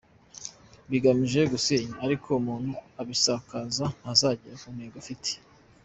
bigamije kunsenya, ariko umuntu ubisakaza ntazagera ku ntego afite.